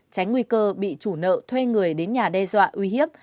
tránh nguy cơ bị chủ nợ thuê người đến nhà đe dọa uy hiếp